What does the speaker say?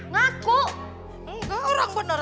enggak orang bener